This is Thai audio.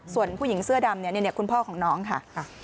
ส่วนผู้หญิงเสื้อดำคุณพ่อของน้องค่ะ